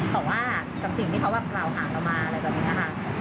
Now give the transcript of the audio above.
แต่ว่ากับสิ่งที่เขากล่าวหาเรามาอะไรแบบนี้ค่ะ